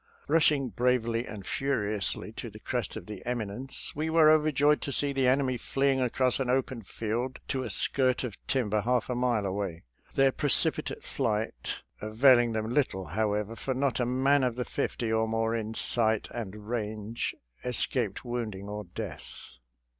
Rushing bravely and furiously to the crest of the eminence, we were overjoyed at seeing the enemy flee ing across an open field to a skirt of timber half a mile away — their precipitate flight avail ing them little, however, for not a man of the fifty or more in sight and range escaped wound ing or death.